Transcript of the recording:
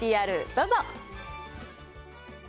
ＶＴＲどうぞ。